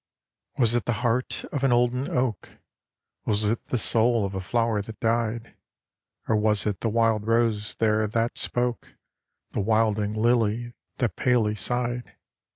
Was it the heart of an olden oak? Was it the soul of a flower that died? Or was it the wild rose there that spoke, The wilding lily that palely sighed?